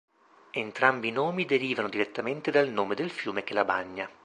Entrambi i nomi derivano direttamente dal nome del fiume che la bagna.